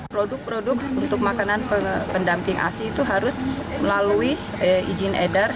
produk produk untuk makanan pendamping asi itu harus melalui izin edar